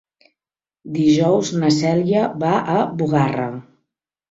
Dijous na Cèlia va a Bugarra.